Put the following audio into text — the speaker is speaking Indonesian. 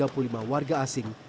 yang berada di dalam perusahaan ini